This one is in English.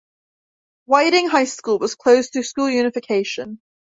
Whiting High School was closed through school unification.